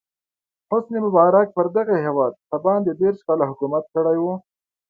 حسن مبارک پر دغه هېواد څه باندې دېرش کاله حکومت کړی و.